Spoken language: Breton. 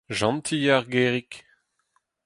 Jeñtil eo ar gerig